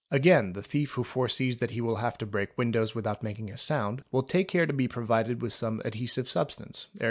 Again the thief who foresees that he will have to break windows without making a noise, will take care Fig. 129. to be provided with some adhesive substance, e.